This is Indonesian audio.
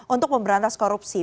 untuk memberantas korupsi